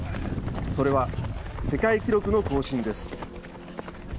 それは、世界記録の更新です。